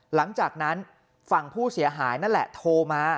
หลังจากนั้นฝั่งผู้เสียหายนั่นแหละโทรมา